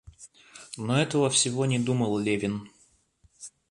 Но этого всего не думал Левин.